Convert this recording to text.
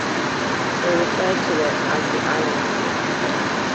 They referred to it as "The Island".